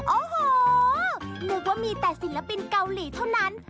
โอ้โหนึกว่ามีแต่ศิลปินเกาหลีเท่านั้น